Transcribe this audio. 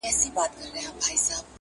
o که هوس دئ، نو دي بس دئ٫